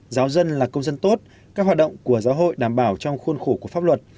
giáo dân là công dân tốt các hoạt động của giáo hội đảm bảo trong khuôn khổ của pháp luật